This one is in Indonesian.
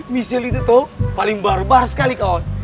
michelle itu tuh paling barbar sekali kawan